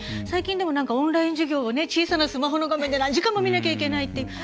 最近でもオンライン授業を小さなスマホの画面で何時間も見なきゃいけないとか。